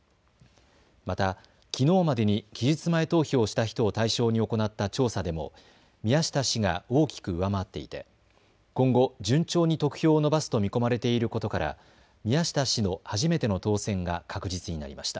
またきのうまでに期日前投票をした人を対象に行った調査でも宮下氏が大きく上回っていて今後、順調に得票を伸ばすと見込まれていることから宮下氏の初めての当選が確実になりました。